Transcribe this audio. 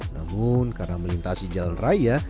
namun karena melintasi jalan raya